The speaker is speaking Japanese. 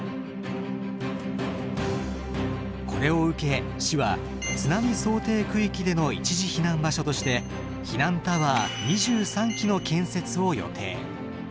これを受け市は津波想定区域での一時避難場所として避難タワー２３基の建設を予定。